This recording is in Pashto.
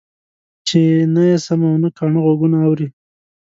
چې نه يې سم او نه کاڼه غوږونه اوري.